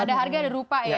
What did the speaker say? ada harga ada rupa ya